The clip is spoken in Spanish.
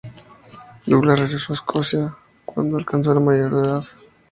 Douglas regresó a Escocia cuando alcanzó la mayoría de edad.